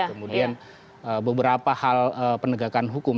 kemudian beberapa hal penegakan hukum